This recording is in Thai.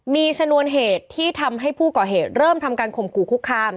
มีชนวนเหตุที่ทำให้ผู้ก่อเหตุเริ่มทำการข่มขู่คุกคาม